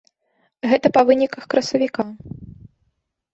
Гэта па выніках красавіка.